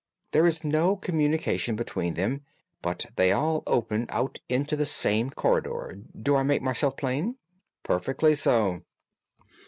There is no communication between them, but they all open out into the same corridor. Do I make myself plain?" "Perfectly so."